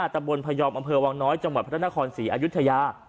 ตำบลพยอมอำเภอวังน้อยจังหวัดพระนครศรีอายุทยา